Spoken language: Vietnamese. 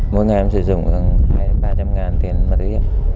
mỗi ngày em sử dụng khoảng ba trăm linh ngàn tiền ma túy